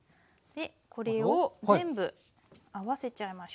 これを全部合わせちゃいましょう。